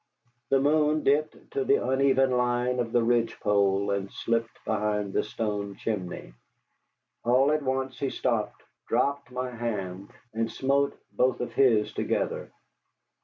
The moon dipped to the uneven line of the ridge pole and slipped behind the stone chimney. All at once he stopped, dropped my hand, and smote both of his together.